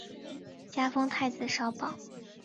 加封太子少保。